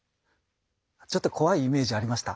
ちょっと怖いイメージありました？